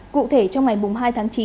cụ thể trong ngày mùng hai tháng chín